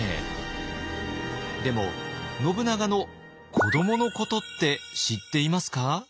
でも信長の子どものことって知っていますか？